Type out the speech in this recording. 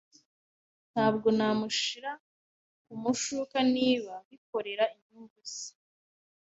Ntabwo namushira kumushuka niba bikorera inyungu ze.